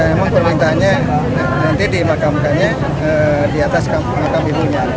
memang permintaannya nanti dimakamkannya di atas makam ibunya